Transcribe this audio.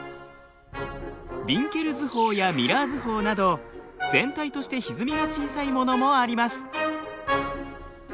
ヴィンケル図法やミラー図法など全体としてひずみが小さいものもあります。